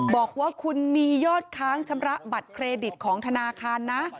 บอกว่าคุณมียอดค้างชำระบัตรเครดิตของธนาคารนะ